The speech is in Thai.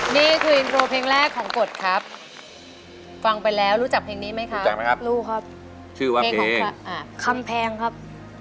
นี่คืออินโทรเพลงแรกของกฎครับฟังไปแล้วรู้จักเพลงนี้ไหมคะรู้ครับชื่อว่าเพลงของคำแพงครับ